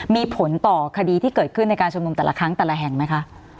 มีผลต่อคดีที่เกิดขึ้นในการชุมนุมแต่ละครั้งแต่ละแห่งไหมคะ